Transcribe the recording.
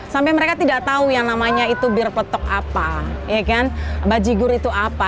sampai mereka tidak tahu yang namanya itu bir petok apa bajigur itu apa